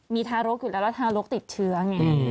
มีทารกอยู่แล้วแล้วทารกติดเชื้อไง